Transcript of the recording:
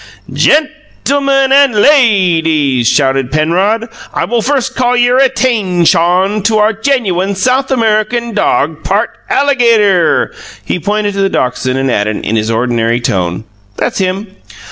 "GEN til mun and LAY deeze," shouted Penrod, "I will first call your at tain shon to our genuine South American dog, part alligator!" He pointed to the dachshund, and added, in his ordinary tone, "That's him."